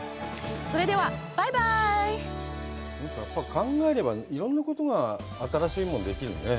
やっぱり考えれば、いろんなことが新しいものができるね。